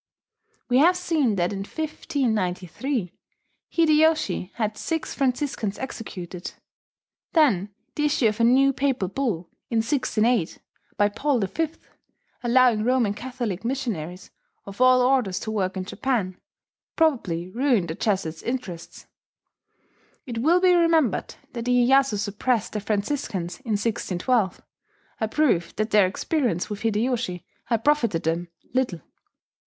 We have seen that in 1593 Hideyoshi had six Franciscans executed. Then the issue of a new Papal bull in 1608, by Paul V, allowing Roman Catholic missionaries of all orders to work in Japan, probably ruined the Jesuit interests. It will be remembered that Iyeyasu suppressed the Franciscans in 1612, a proof that their experience with Hideyoshi had profited them little.